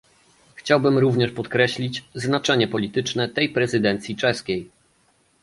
Chciałbym również podkreślić znaczenie polityczne tej prezydencji czeskiej